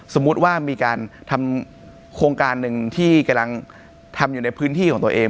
สมมุติว่ามีการทำโครงการหนึ่งที่กำลังทำอยู่ในพื้นที่ของตัวเอง